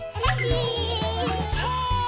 さあ！